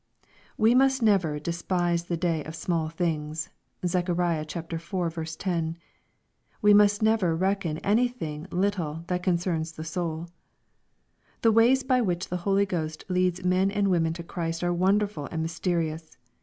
We must never " despise the day of small things." (Zech. iv. 10.) We must never reckon anything little that concerns the soul. The ways by which the HolyGhost leads men and women to Christ are wonderful and mysterious.